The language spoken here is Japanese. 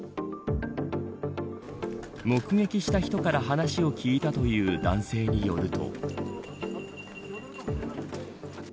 目撃した人から話を聞いたという男性によると。